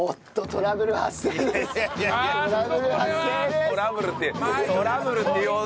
トラブルって。